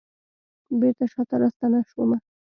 بیرته شاته راستنه شومه